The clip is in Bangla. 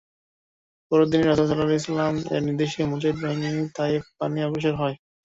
পরদিনই রাসূল সাল্লাল্লাহু আলাইহি ওয়াসাল্লাম-এর নির্দেশে মুজাহিদ বাহিনী তায়েফ পানে অগ্রসর হয়।